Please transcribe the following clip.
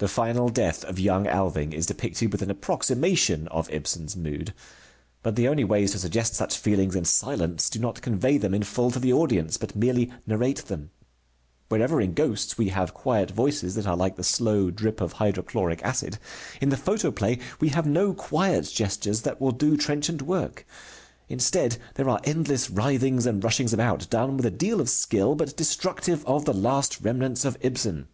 The final death of young Alving is depicted with an approximation of Ibsen's mood. But the only ways to suggest such feelings in silence, do not convey them in full to the audience, but merely narrate them. Wherever in Ghosts we have quiet voices that are like the slow drip of hydrochloric acid, in the photoplay we have no quiet gestures that will do trenchant work. Instead there are endless writhings and rushings about, done with a deal of skill, but destructive of the last remnants of Ibsen.